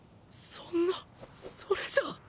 そんなそれじゃ。